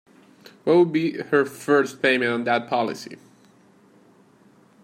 What would be her first payment on that policy?